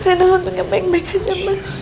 rena jangan tekan bank bank aja mas